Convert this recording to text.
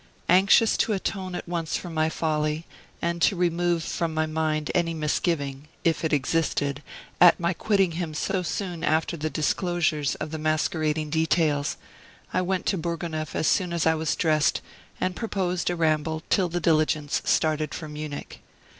Anxious to atone at once for my folly, and to remove from my mind any misgiving if it existed at my quitting him so soon after the disclosures of the masquerading details, I went to Bourgonef as soon as I was dressed and proposed a ramble till the diligence started for Munich.